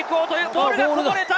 ボールがこぼれた！